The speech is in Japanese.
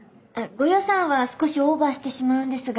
ご予算は少しオーバーしてしまうんですが。